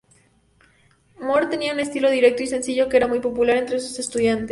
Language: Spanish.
Mohr tenía un estilo directo y sencillo, que era muy popular entre sus estudiantes.